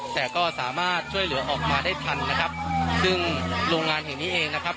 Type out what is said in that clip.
แต่ก็สามารถช่วยเหลือออกมาได้ทันนะครับซึ่งโรงงานแห่งนี้เองนะครับ